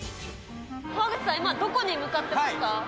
濱口さん、今、どこに向かってますか？